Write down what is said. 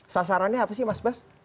sasarannya apa sih mas bas